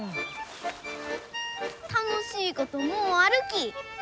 楽しいこともうあるき。